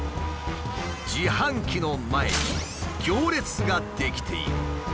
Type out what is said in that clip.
自販機の前に行列が出来ている。